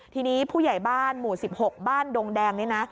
ทีนี้ผู้ใหญ่บ้านหมู่๑๖บ้านดงแดงนี่นะ